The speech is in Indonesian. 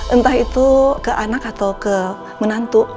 entah itu ke anak atau ke menantu